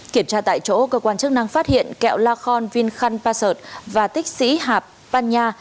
kiểm tra tại chỗ cơ quan chức năng phát hiện kẹo la khon vinh khăn passort và tích sĩ hạp pan nha